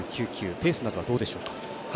ペースなどは、どうでしょうか？